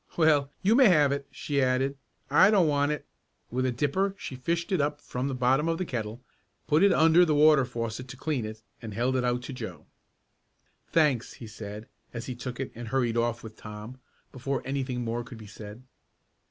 "Well, you may have it," she added. "I don't want it." With a dipper she fished it up from the bottom of the kettle, put it under the water faucet to clean it, and held it out to Joe. "Thanks," he said as he took it and hurried off with Tom, before anything more could be said.